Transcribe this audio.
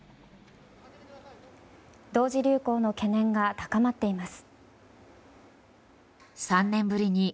同時流行の懸念が高まっています。